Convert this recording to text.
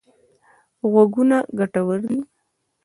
غوږونه ګټور دي.